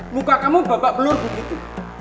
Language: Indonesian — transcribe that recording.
muka kamu babak belur begitu